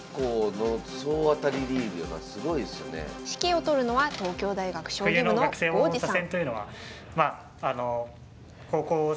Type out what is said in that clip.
指揮を執るのは東京大学将棋部の郷治さん。